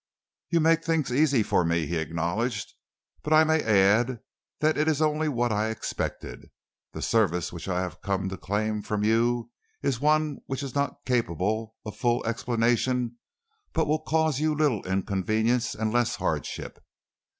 "You make things easy for me," he acknowledged, "but may I add that it is only what I expected. The service which I have come to claim from you is one which is not capable of full explanation but which will cause you little inconvenience and less hardship.